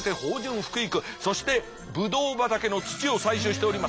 そしてぶどう畑の土を採取しております。